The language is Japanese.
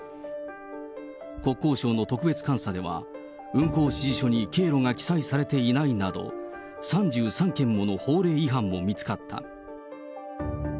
国交省の特別監査では、運行指示書に経路が記載されていないなど、３３件もの法令違反も見つかった。